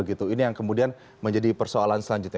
ini yang kemudian menjadi persoalan selanjutnya